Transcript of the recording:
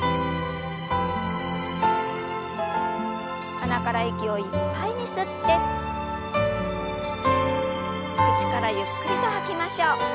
鼻から息をいっぱいに吸って口からゆっくりと吐きましょう。